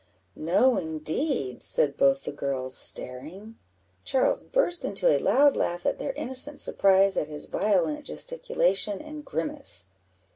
_'" "No, indeed," said both the girls, staring. Charles burst into a loud laugh at their innocent surprise at his violent gesticulation and grimace.